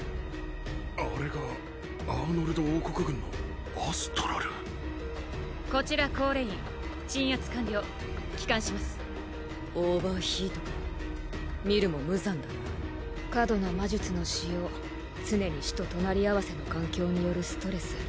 あれがアーノルド王国軍のアストラルこちらコーレイン鎮圧完了帰還しますオーバーヒートか見るも無残だな過度な魔術の使用常に死と隣り合わせの環境によるストレス